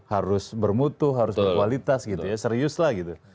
harus bermutu harus berkualitas gitu ya serius lah gitu